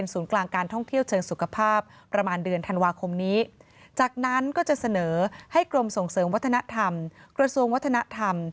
ส่งเสริมวัฒนธรรมกระทรวงวัฒนธรรม